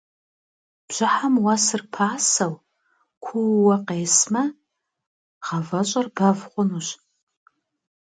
Бжьыхьэм уэсыр пасэу, куууэ къесмэ, гъавэщӏэр бэв хъунущ.